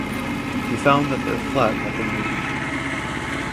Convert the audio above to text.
He found that their flat had been looted.